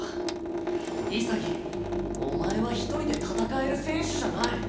潔お前は一人で戦える選手じゃない。